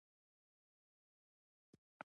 بنډۍ او بادرنګ له شړومبو سره ښه خوند کوي.